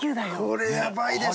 これやばいでしょ！